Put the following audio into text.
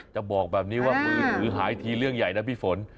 จะบอกแบบนี้ว่ามือถือหายทีเรื่องใหญ่นะพี่ฝน